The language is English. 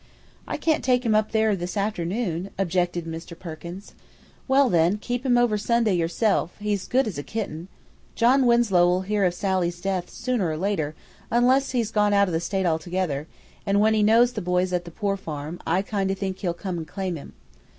"I can't take him up there this afternoon," objected Mr. Perkins. "Well, then, keep him over Sunday yourself; he's good as a kitten. John Winslow'll hear o' Sal's death sooner or later, unless he's gone out of the state altogether, an' when he knows the boy's at the poor farm, I kind o' think he'll come and claim him.